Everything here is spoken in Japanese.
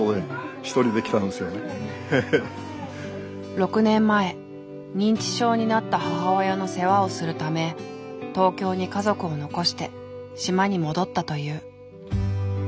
６年前認知症になった母親の世話をするため東京に家族を残して島に戻ったという。